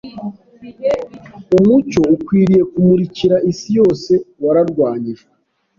Umucyo ukwiriye kumurikira isi yose wararwanyijwe,